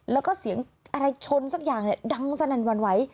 แล้วก็เสียงอะไรชนสักอย่างเนี่ยดังสนั่นหวั่นไหว